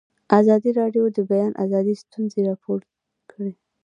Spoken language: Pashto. ازادي راډیو د د بیان آزادي ستونزې راپور کړي.